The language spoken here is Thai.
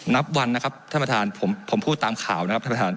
นับวันนะครับท่านประธานผมพูดตามข่าวนะครับท่านประธาน